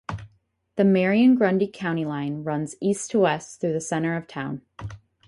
The Marion-Grundy county line runs east-to-west through the center of town.